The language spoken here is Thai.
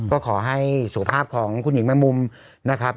ก็ขอให้สุขภาพของคุณหญิงแมงมุมนะครับ